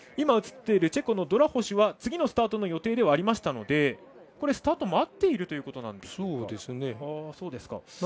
チェコのドラホシュは次のスタートの予定ではありましたのでスタートを待っているということなんでしょうか。